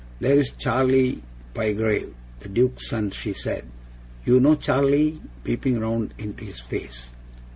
'There's Charley Pyegrave, the duke's son,' she said. 'You know Charley?' peeping round into his face.